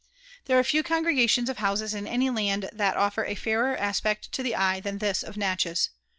There are few coogregatioas of boqsies so any laad Ihat off^r a lairer 9afeci io the eyo than this of Natoboz.